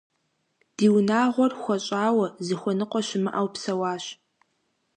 Ди унагъуэр хуэщӀауэ, зыхуэныкъуэ щымыӀэу псэуащ.